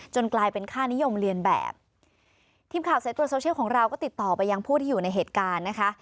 กลายเป็นค่านิยมเรียนแบบทีมข่าวสายตรวจโซเชียลของเราก็ติดต่อไปยังผู้ที่อยู่ในเหตุการณ์นะคะ